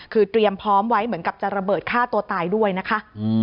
คือเตรียมพร้อมไว้เหมือนกับจะระเบิดฆ่าตัวตายด้วยนะคะ